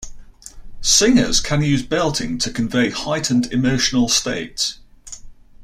Singers can use belting to convey heightened emotional states.